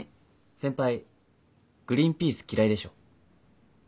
先輩グリーンピース嫌いでしょ。